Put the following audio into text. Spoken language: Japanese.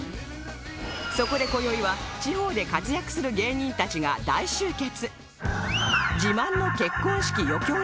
そこで今宵は地方で活躍する芸人たちが大集結